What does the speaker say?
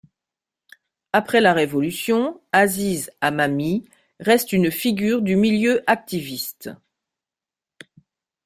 Après la révolution, Azyz Amami reste une figure du milieu activiste.